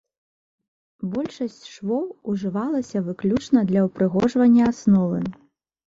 Большасць швоў ужывалася выключна для ўпрыгожвання асновы.